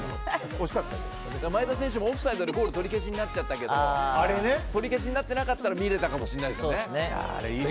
前田選手も、オフサイドでゴール取り消しになったけど取り消しになっていなかったら見れたかもしれないですよね。